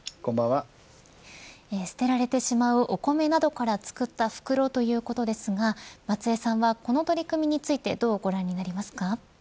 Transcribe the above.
捨てられてしまうお米などから作った袋ということですが松江さんは、この取り組みについて、どうご覧になりますか。